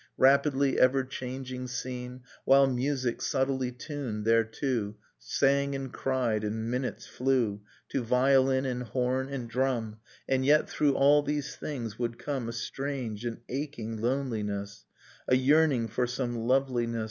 Rapidly ever changing scene, While music, subtly tuned thereto. Sang and cried, and minutes flew, To violin and horn and drum ... And yet, through all these things, would come A strange, an aching loneliness, A yearning for some loveliness.